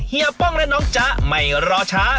เฮีป้องและน้องจ๊ะไม่รอช้า